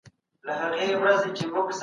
قدرت مسئولیت دی.